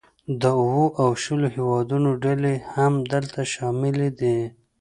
د اوو او شلو هیوادونو ډلې هم دلته شاملې دي